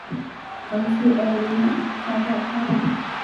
而且李遐早早夭折。